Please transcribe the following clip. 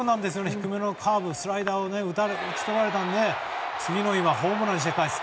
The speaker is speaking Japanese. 低めのカーブスライダーで打ち取られたので次の日はホームランにして返す。